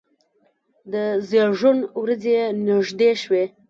د زیږون ورځې یې نږدې شوې.